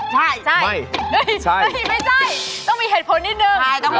ใช่ไม่ใช่ต้องมีเหตุผลนิดนึง